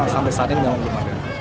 sampai saat ini tidak akan berlaku